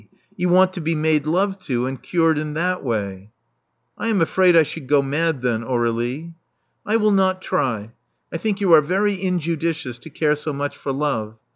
You want to be made love to, and cured in that way. '' I am afraid I should go mad then, Aur^lie." I will not try. I think you are very injudicious to care so much for love.